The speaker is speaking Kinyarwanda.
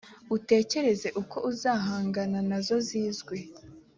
utekereze uko uzahangana na zo zizwi